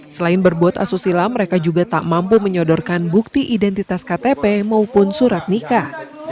selain berbuat asusila mereka juga tak mampu menyodorkan bukti identitas ktp maupun surat nikah